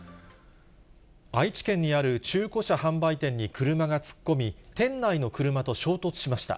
愛知県にある中古車販売店に車が突っ込み、店内の車と衝突しました。